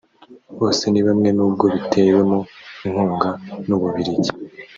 Bosenibamwe nubwo bitewemo inkunga n’u Bubiligi